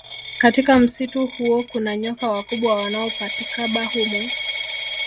Katika msitu huo kuna nyoka wakubwa wanaopatikaba humo